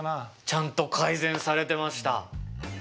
ちゃんと改善されてました。